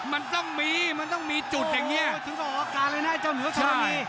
มันต้องมีมันต้องมีจุดแบบนี้โอ้โหถึงก็ออกอาการเลยนะเจ้าเหนือกันนี้